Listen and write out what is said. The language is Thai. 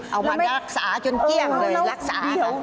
เอามารักษาจนเกลี้ยงเลยรักษาค่ะ